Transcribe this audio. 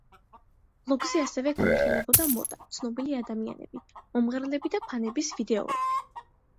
ბლოგზე ასევე განიხილებოდა მოდა, ცნობილი ადამიანები, მომღერლები და ფანების ვიდეოები.